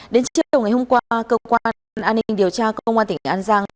đến trước đầu ngày hôm qua cơ quan an ninh điều tra công an tỉnh an giang